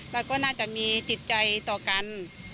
แล้วก็น่าจะมีจิตใจต่อกัน